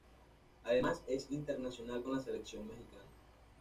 Además es internacional con la Selección mexicana.